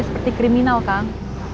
seperti kriminal kang